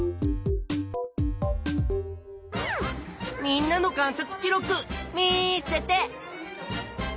みんなの観察記録見せて！